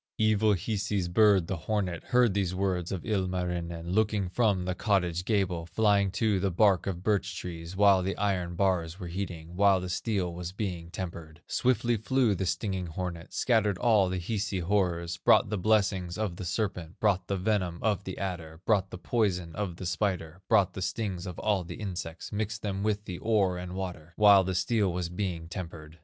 "Evil Hisi's bird, the hornet, Heard these words of Ilmarinen, Looking from the cottage gable, Flying to the bark of birch trees, While the iron bars were heating, While the steel was being tempered; Swiftly flew the stinging hornet, Scattered all the Hisi horrors, Brought the blessing of the serpent, Brought the venom of the adder, Brought the poison of the spider, Brought the stings of all the insects, Mixed them with the ore and water, While the steel was being tempered.